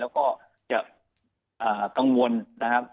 แล้วก็จะกังวลนะครับ